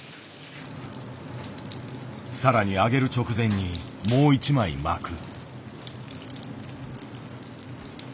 更に揚げる直前にもう一枚巻く。